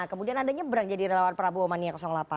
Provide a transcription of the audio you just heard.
kemudian anda nyebrang jadi relawan prabowo mania delapan